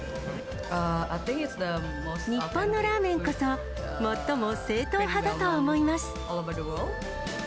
日本のラーメンこそ、最も正統派だと思います。